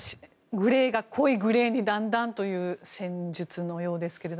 グレーが濃いグレーにだんだんという戦術のようですが。